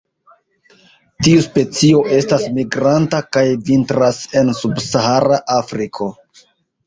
Tiu specio estas migranta, kaj vintras en subsahara Afriko.